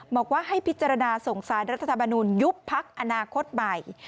บอกว่าให้พิจารณาส่งสารรัฐธรรมนุนยุบพักอนาคตใหม่